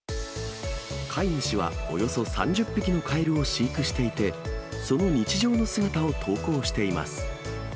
飼い主は、およそ３０匹のカエルを飼育していて、その日常の姿を投稿しています。